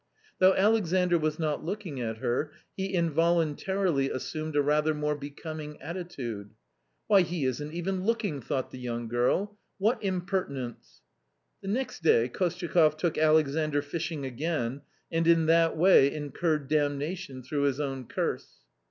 Though' Alexandr was not looking at her, he involun tarily assumed a rather more becoming attitude. " Why ! he isn't even looking !" thought the young girl ;" what impertinence !" The next day Kostyakoff took Alexandr fishing again, and in that way incurred damnation through his own curse.